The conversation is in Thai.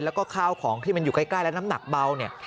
แล้วก็ข้าวของที่มันอยู่ใกล้และน้ำหนักเบาเนี่ย